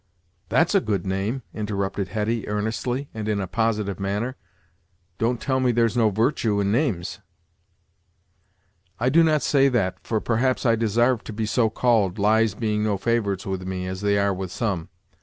"That's a good name," interrupted Hetty, earnestly, and in a positive manner; "don't tell me there's no virtue in names!" "I do not say that, for perhaps I desarved to be so called, lies being no favorites with me, as they are with some.